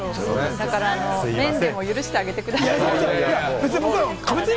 だから麺でも許してあげてください。